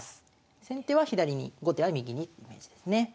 先手は左に後手は右にってイメージですね。